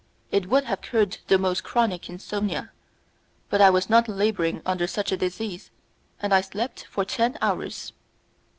It would have cured the most chronic insomnia, but I was not labouring under such a disease, and I slept for ten hours.